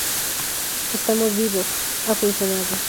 estamos vivos. ha funcionado.